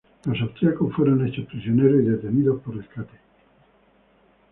Los austriacos fueron hechos prisioneros y detenidos por rescate.